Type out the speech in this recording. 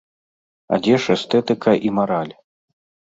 А дзе ж эстэтыка і мараль?